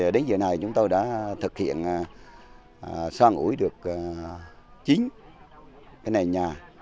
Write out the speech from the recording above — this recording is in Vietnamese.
đến giờ này chúng tôi đã thực hiện soan ủi được chính nền nhà